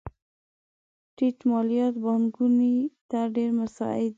ټیټ مالیات پانګونې ته ډېر مساعد دي.